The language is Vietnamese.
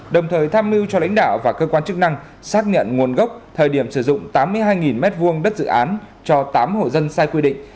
đồng thời tham mưu cho lãnh đạo và cơ quan chức năng xác nhận nguồn gốc thời điểm sử dụng tám mươi hai m hai đất dự án cho tám hộ dân sai quy định